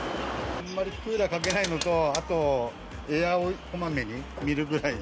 あんまりクーラーかけないのと、あと、エアをこまめに見るぐらい。